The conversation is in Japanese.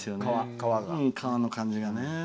皮の感じが。